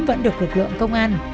vẫn được lực lượng công an